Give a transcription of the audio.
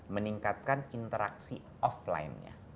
meningkatkan interaksi offline nya